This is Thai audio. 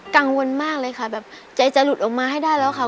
กังวลมากเลยค่ะแบบใจจะหลุดออกมาให้ได้แล้วค่ะ